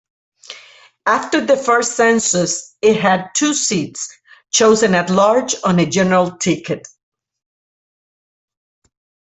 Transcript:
After the first census, it had two seats, chosen at-large on a general ticket.